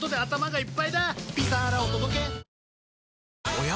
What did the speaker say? おや？